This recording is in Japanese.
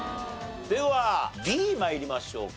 ではＢ参りましょうか。